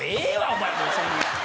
お前もうそんなん。